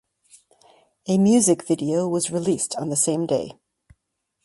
A music video was released on the same day.